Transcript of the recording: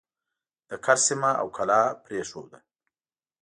د کرز سیمه او کلا پرېښوده.